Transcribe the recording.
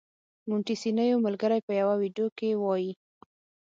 مونټیسینویو ملګری په یوه ویډیو کې وايي.